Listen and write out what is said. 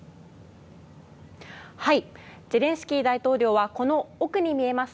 ゼレンスキー大統領はこの奥に見えます